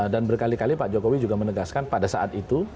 dan berkali kali pak jokowi juga menegaskan pada saat itu